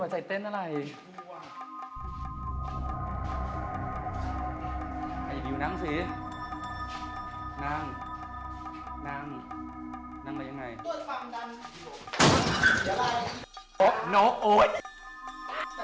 ซึ่งใจเล่นเต้นอย่างเฉยเฉย